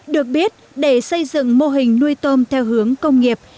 được biết để xây dựng mô hình nuôi tôm theo hướng công nghiệp